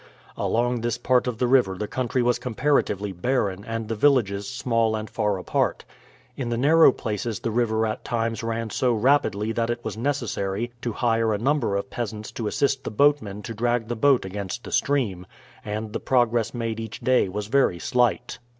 Along this part of the river the country was comparatively barren and the villages small and far apart. In the narrow places the river at times ran so rapidly that it was necessary to hire a number of peasants to assist the boatmen to drag the boat against the stream, and the progress made each day was very slight.